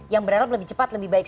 yang berharap lebih cepat lebih baik